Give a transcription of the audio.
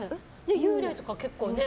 幽霊とか結構ね。